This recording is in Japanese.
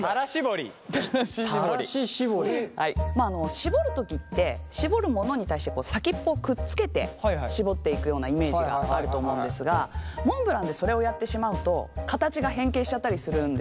絞る時って絞るものに対して先っぽをくっつけて絞っていくようなイメージがあると思うんですがモンブランでそれをやってしまうと形が変形しちゃったりするんですね。